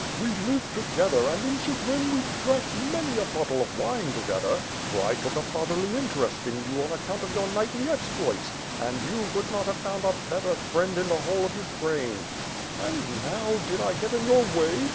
We lived together and in Chigrin we drank many a bottle of wine together, for I took a fatherly interest in you on account of your knightly exploits; and you could not have found a better friend in the whole of Ukraina. And now, did I got in your way?